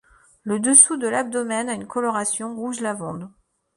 Le dessous de l'abdomen a une coloration rouge lavande.